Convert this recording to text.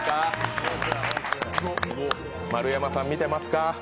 丸山さん見てますか？